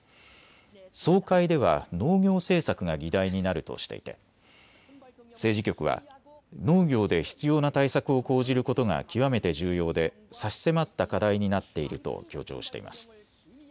総会では農業政策が議題になるとしていて、政治局は、農業で必要な対策を講じることが極めて重要で差し迫った課題になっていると強調しています。